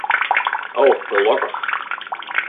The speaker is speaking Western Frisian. O, gelokkich.